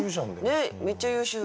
ねっめっちゃ優秀。